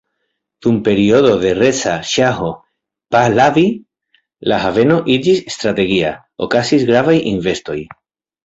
Dum periodo de Reza Ŝaho Pahlavi la haveno iĝis strategia, okazis gravaj investoj.